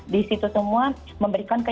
di situ semua memberikan